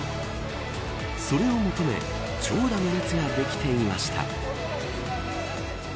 それを求め、長蛇の列もできていました。